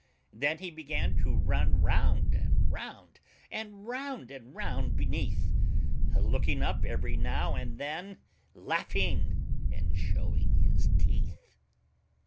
Then he began to run round and round, And round and round beneath, Looking up every now and then, Laughing and showing his teeth.